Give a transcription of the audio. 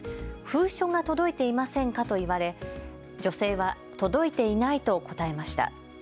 封書が届いていませんかと言われ女性は届いていないと答えました。